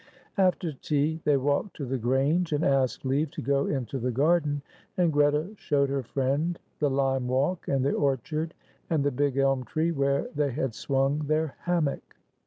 After tea they walked to the Grange, and asked leave to go into the garden, and Greta showed her friend the lime walk, and the orchard and the big elm tree where they had swung their hammock.